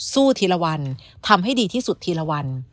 ทีละวันทำให้ดีที่สุดทีละวัน